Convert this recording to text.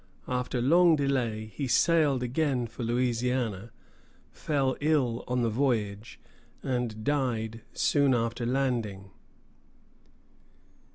After long delay, he sailed again for Louisiana, fell ill on the voyage, and died soon after landing.